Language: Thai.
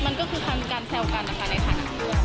มันก็คือคำการแซวกันนะคะในฐานอีกด้วย